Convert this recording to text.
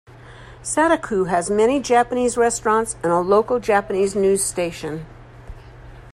Sataku has many Japanese restaurants and a local Japanese news station.